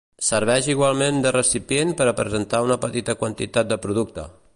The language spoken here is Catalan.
Serveix igualment de recipient per a presentar una petita quantitat de producte.